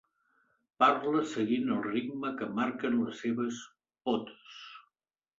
Parla seguint el ritme que marquen les seves potes.